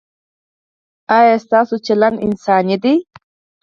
ایا ستاسو چلند انساني دی؟